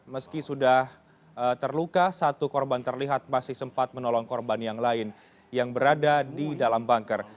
meski sudah terluka satu korban terlihat masih sempat menolong korban yang lain yang berada di dalam bangker